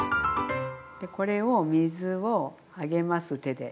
これを水を上げます手で。